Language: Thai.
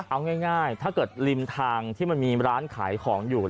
เอาง่ายถ้าเกิดริมทางที่มันมีร้านขายของอยู่